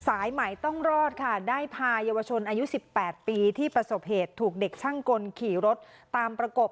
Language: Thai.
สายใหม่ต้องรอดค่ะได้พายาวชนอายุ๑๘ปีที่ประสบเหตุถูกเด็กช่างกลขี่รถตามประกบ